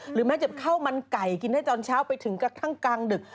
แม้จะข้าวมันไก่กินได้ตอนเช้าไปถึงกระทั่งกลางดึก